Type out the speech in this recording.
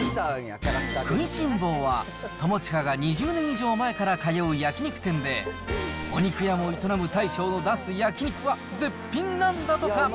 くいしん坊は、友近が２０年以上前から通う焼き肉店で、お肉屋も営む大将が出す焼き肉は絶品なんだとか。